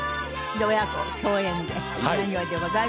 親子共演で何よりでございます。